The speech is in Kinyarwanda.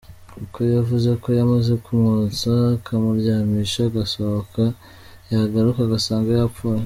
kuko yavuze ko yamaze kumwonsa akamuryamisha; agasohoka yagaruka agasanga yapfuye.